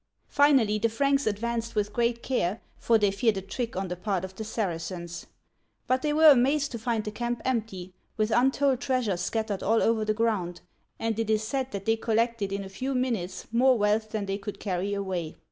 Finally the Franks advanced with great care, for they feared a .trick on the part of the Saracens. But they were amazed to find the camp empty, with untold treasures scattered all over the ground, and it is said that they collected in a few minutes more wealth than they could carry away